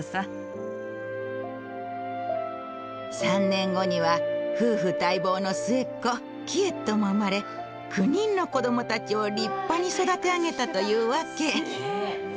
３年後には夫婦待望の末っ子キエットも生まれ９人の子供たちを立派に育て上げたというわけ。